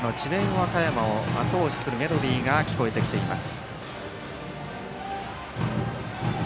和歌山をあと押しするメロディーが聞こえてきています。